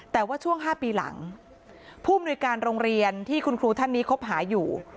แต่ว่าช่วง๕ปีหลังผู้มนุยการโรงเรียนที่คุณครูท่านนี้คบหาอยู่